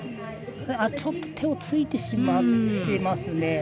ちょっと手をついてしまってますね。